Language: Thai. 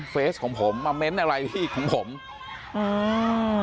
เฟสของผมมาเม้นต์อะไรที่ของผมอืม